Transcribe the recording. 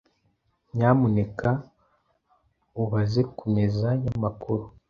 Nyamuneka ubaze kumeza yamakuru .